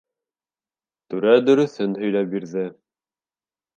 Түрә дөрөҫөн һөйләп бирҙе.